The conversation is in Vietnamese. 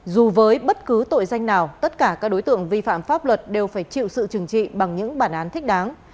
dù với bất cứ tội danh nào tất cả các đối tượng vi phạm pháp luật đều phải chịu sự trừng trị bằng những bản án thích đáng